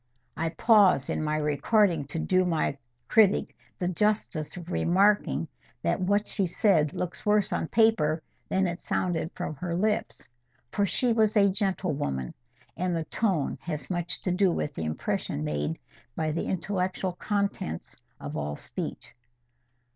I pause in my recording, to do my critic the justice of remarking that what she said looks worse on paper than it sounded from her lips; for she was a gentlewoman, and the tone has much to do with the impression made by the intellectual contents of all speech.